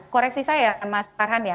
koreksi saya mas farhan ya